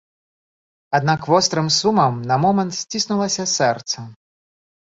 Аднак вострым сумам на момант сціснулася сэрца.